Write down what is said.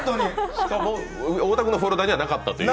しかも太田君のフォルダーにはなかったという。